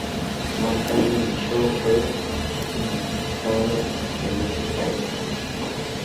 Más tarde, el show fue sindicado en muchos países.